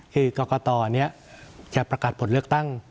คือกรกตจะประกาศผลเลือกตั้ง